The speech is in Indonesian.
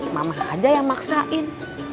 mama aja yang maksain